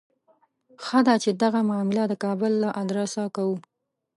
ښه ده چې دغه معامله د کابل له آدرسه کوو.